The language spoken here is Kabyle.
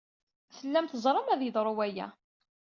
Tellam teẓram ad yeḍru waya.